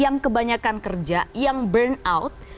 yang kebanyakan kerja yang burn out